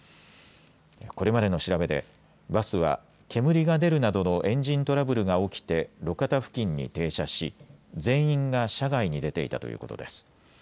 これまでの調べでバスは煙が出るなどのエンジントラブルが起きて路肩付近に停車し全員が車外に出ていたということです。